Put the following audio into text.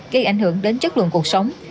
gây ảnh hưởng đến chất lượng cuộc sống